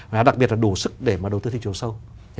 và đặc biệt là đủ sức để mà đầu tư thị trường sâu